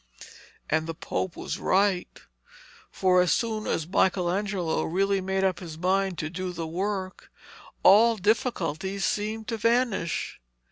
And the Pope was right; for as soon as Michelangelo really made up his mind to do the work, all difficulties seemed to vanish.